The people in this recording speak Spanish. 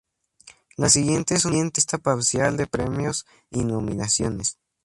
La siguiente es una lista parcial de premios y nominaciones